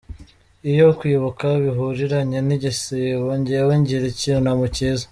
Iyo kwibuka bihuriranye n’igisibo, jyewe ngira icyunamo cyiza !.